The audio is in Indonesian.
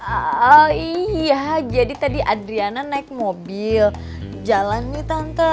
oh iya jadi tadi adriana naik mobil jalan nih tangkel